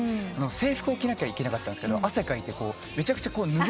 制服を着なきゃいけなかったんですが汗かいてめちゃくちゃ拭ってたんですよ。